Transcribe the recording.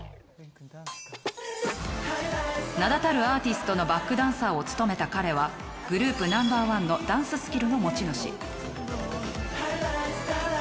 名だたるアーティストのバックダンサーを務めた彼はグループナンバーワンのダンススキルの持ち主。